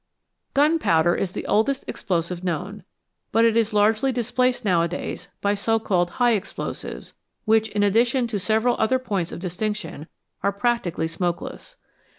Gunpowder is the oldest explosive known, but it is largely displaced nowadays by so called " high explosives," which, in addition to several other points of distinction, are practically smokeless.